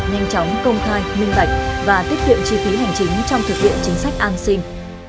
nhanh chóng công khai minh bạch và tiết kiệm chi phí hành chính trong thực hiện chính sách an sinh